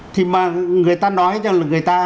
thì mà người ta nói cho người ta